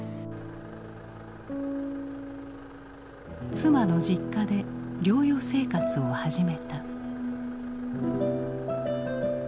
妻の実家で療養生活を始めた。